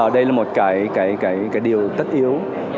đây là một cái điều tất yếu